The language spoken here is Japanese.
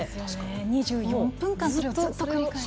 ２４分間ずっと繰り返し。